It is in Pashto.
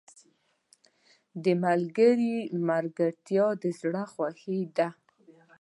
• د ملګري ملګرتیا د زړه خوښي ده.